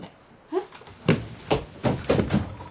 えっ？